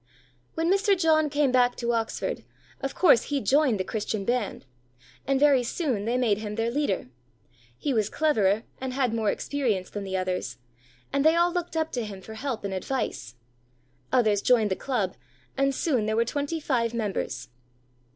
WHEN Mr. John came back to Oxford, of course he joined the Christian band, and very soon they made him their leader. He was cleverer and had more experience than the others, and they all looked up to him for help and advice. Others joined the club, and soon there were twenty five members.